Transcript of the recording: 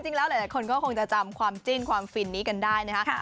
หลายคนก็คงจะจำความจิ้นความฟินนี้กันได้นะคะ